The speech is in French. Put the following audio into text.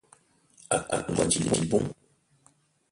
à quoi nous est-il bon ?